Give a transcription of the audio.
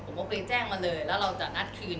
ผมเอาไปแจ้งมาเลยแล้วเราจะนัดคืน